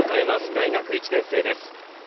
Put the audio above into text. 大学１年生です。